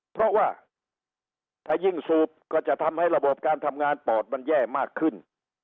เพราะว่าถ้ายิ่งสูบก็จะทำให้ระบบการทำงานปอดมันแย่มากขึ้น